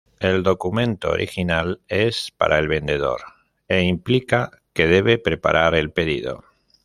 El documento original es para el vendedor e implica que debe preparar el pedido.